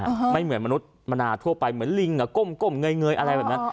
อืมไม่เหมือนมนุษย์มานาทั่วไปเหมือนลิงล่ะก้มเงยอะไรแบบนั้น